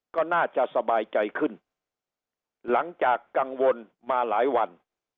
ก็น่าจะสบายใจขึ้นหลังจากกังวลมาหลายวัน